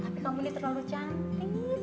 tapi kamu ini terlalu cantik